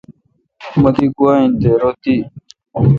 مہ دی گوا این تہ رو تی۔